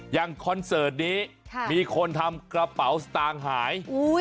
คอนเสิร์ตนี้มีคนทำกระเป๋าสตางค์หาย